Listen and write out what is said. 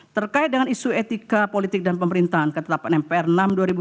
terkait dengan isu etika politik dan pemerintahan ketetapan mpr enam dua ribu dua puluh